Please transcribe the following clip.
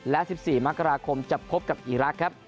และ๑๔มกราคมจะพบกับอีรักษ์ครับ